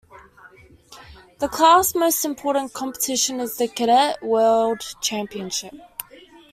The class most important competition is the Cadet World Championship.